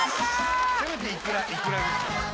せめていくらですよ